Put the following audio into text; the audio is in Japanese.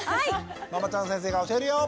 ママちゃん先生が教えるよ！